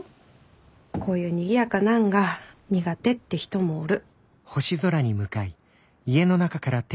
こういうにぎやかなんが苦手って人もおる。